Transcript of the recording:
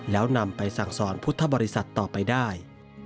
แล้วนำไปสั่งสอนพุทธบริษัทต่อไปได้